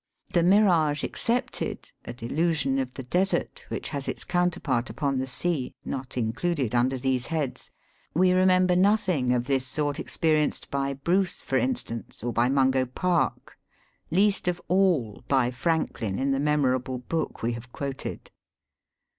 The mirage •' excepted — a delusion of the desert, which has its counterpart upon the sea, not included under these heads — we remember nothing , of this sort experienced by BHUCK, for instance, or by MUNQO PARK : least of all by Franklin in the memorable book we have quoted.